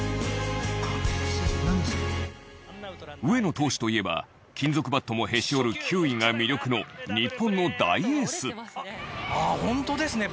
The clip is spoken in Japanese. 上野投手といえば金属バットもへし折る球威が魅力の、日本の大エース。